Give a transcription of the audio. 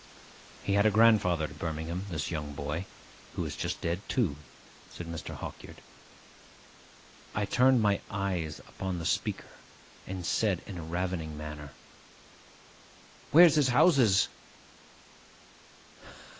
'He had a grandfather at Birmingham, this young boy, who is just dead too,' said Mr. Hawkyard. I turned my eyes upon the speaker, and said in a ravening manner, 'Where's his houses?